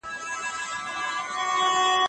چي قلم لا څه لیکلي جهان ټول راته سراب دی